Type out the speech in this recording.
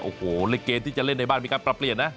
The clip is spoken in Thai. โอ้โหในเกมที่จะเล่นในบ้านมีการปรับเปลี่ยนนะ